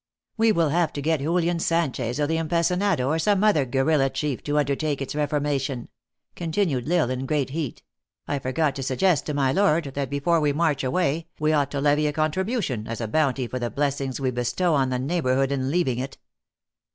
" We will have to get Julian Sanchez, or the Em pecinado, or some other guerilla chief, to undertake its reformation," continued L Isle, in great heat. " I forgot to suggest to my lord, that before we march away, we ought to levy a contribution, as a bounty for the blessings we bestow on the neighborhood in leaving it."